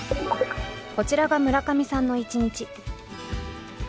こちらが村上さんの一日。